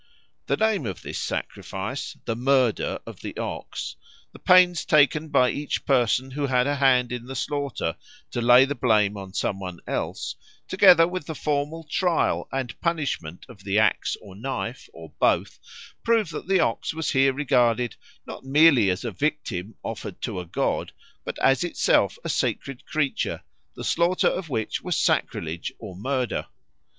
The name of this sacrifice, "the murder of the OX," the pains taken by each person who had a hand in the slaughter to lay the blame on some one else, together with the formal trial and punishment of the axe or knife or both, prove that the OX was here regarded not merely as a victim offered to a god, but as itself a sacred creature, the slaughter of which was sacrilege or murder.